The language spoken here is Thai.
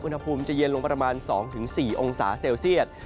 อุณหภูมิจะเย็นลงประมาณ๒๔องศาเซลเซียต